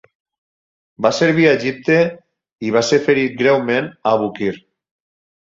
Va servir a Egipte i va ser ferit greument a Aboukir.